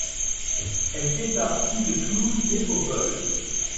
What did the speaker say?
Elle fait partie de Toulouse Métropole.